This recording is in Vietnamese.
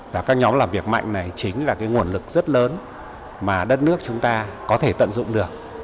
và các nhóm làm việc mạnh này chính là cái nguồn lực rất lớn mà đất nước chúng ta có thể tận dụng được